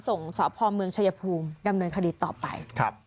สพเมืองชายภูมิดำเนินคดีต่อไป